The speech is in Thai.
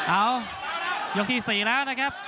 เอ้ายกที่๔แล้วนะครับ